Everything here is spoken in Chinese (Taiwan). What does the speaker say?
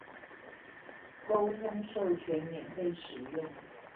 溝通授權免費使用